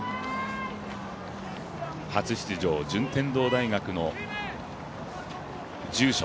初出場、順天堂大学の住所。